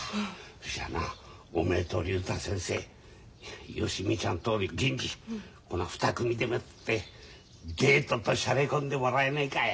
そしたらなおめえと竜太先生芳美ちゃんと銀次この２組でもってデートとしゃれこんでもらえねえかい？